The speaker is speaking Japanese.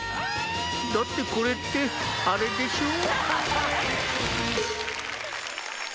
「だってこれってあれでしょう？」